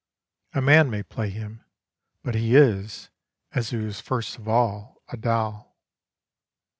A man may play him, but he is as he was first of all a doll.